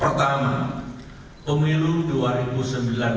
pertama pemilu dua ribu sembilan belas ini dilaksanakan